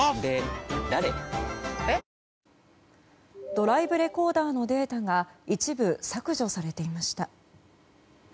ドライブレコーダーのデータが一部、削除されていました。